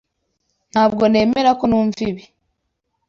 Ntabwo nemera ko numva ibi.